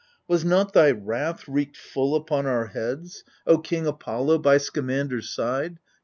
Was not thy wrath wreaked full upon our heads, 24 AGAMEMNON O king Apollo, by Scamander's side